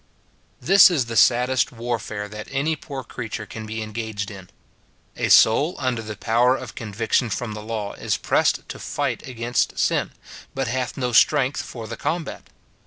This is the saddest warfare that any poor creature can be engaged in. A soul under the power of conviction from the law is pressed to fight against sin, but hath no Strength for the combat.